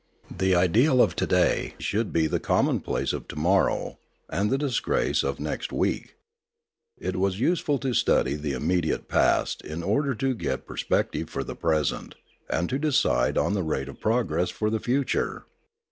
The ideal of to day should be the commonplace of to morrow, and the disgrace of next week. It was useful to study the immediate past in order to get perspective for the present, and to decide on the rate of progress for the future.